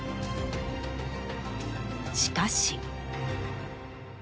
しかし。